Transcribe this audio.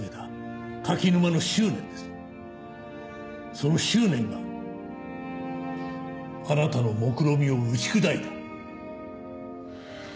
その執念があなたのもくろみを打ち砕いた。